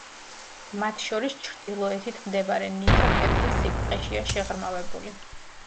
მათ შორის ჩრდილოეთით მდებარე ნიშა კედლის სიბრტყეშია შეღრმავებული.